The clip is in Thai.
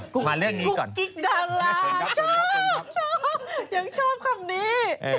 กุ๊บกิ๊กดาราชอบชอบยังชอบคำนี้